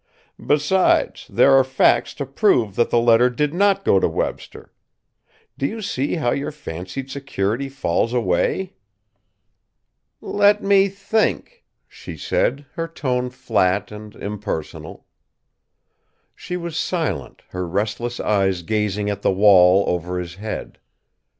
Besides, there are facts to prove that the letter did not go to Webster. Do you see how your fancied security falls away?" "Let me think," she said, her tone flat and impersonal. She was silent, her restless eyes gazing at the wall over his head.